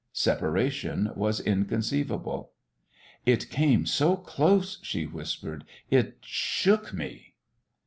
Separation was inconceivable. "It came so close," she whispered. "It shook me!"